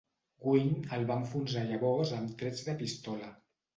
"Gwin" el va enfonsar llavors amb trets de pistola.